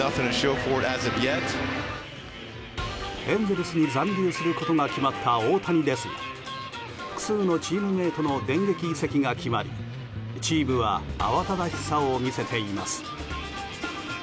エンゼルスに残留することが決まった大谷ですが複数のチームメートの電撃移籍が決まりチームは慌ただしさを見せています。